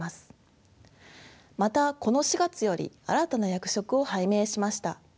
またこの４月より新たな役職を拝命しました。